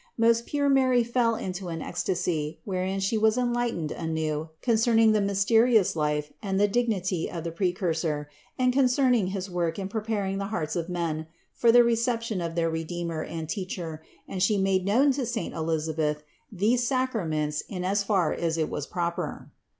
Most pure Mary fell into an ecstasy, wherein She was enlightened anew concerning the mysterious life and the dignity of the Precursor and concerning his work in preparing the hearts of men for the reception of their Redeemer and Teacher, and She made known to saint Elisabeth these sacraments in as far as it was proper.